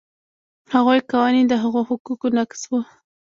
هغوی قانون د هغو حقوقو نقض و.